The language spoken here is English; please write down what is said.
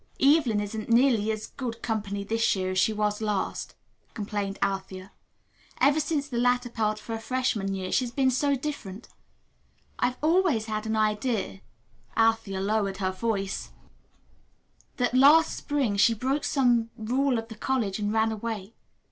"Evelyn isn't nearly as good company this year as she was last," complained Althea. "Ever since the latter part of her freshman year, she's been so different. I've always had an idea," Althea lowered her voice, "that last spring she broke some rule of the college and ran away.